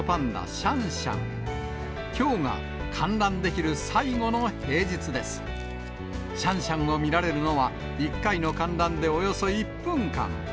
シャンシャンを見られるのは１回の観覧でおよそ１分間。